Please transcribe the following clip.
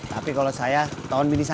tapi kalau saya tahun bini saya